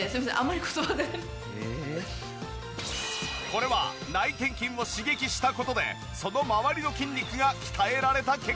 これは内転筋を刺激した事でそのまわりの筋肉が鍛えられた結果。